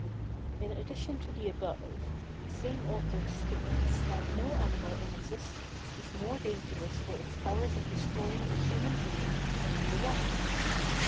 In addition to the above, the same author states, that no animal in existence is more dangerous for its powers of destroying a human being when in the water.